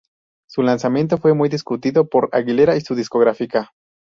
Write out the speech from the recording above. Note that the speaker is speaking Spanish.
Su lanzamiento fue muy discutido por Aguilera y su discográfica.